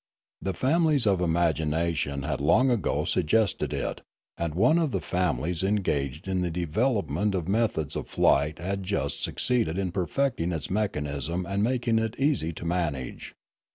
The families of imagination had long ago suggested^ it, and one of the families engaged in the development of methods of flight had just succeeded in perfecting its mechanism and making it easy to manage.